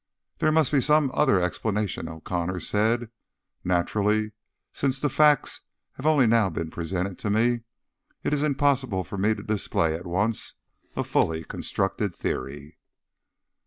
"There must be some other explanation," O'Connor said. "Naturally, since the facts have only now been presented to me, it is impossible for me to display at once a fully constructed theory."